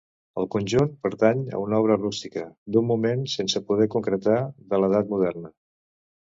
El conjunt pertany a una obra rústica d'un moment sense poder concretar de l'Edat Moderna.